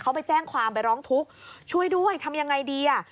เขาไปแจ้งความไปร้องทุกข์ช่วยด้วยทำยังไงดีอ่ะ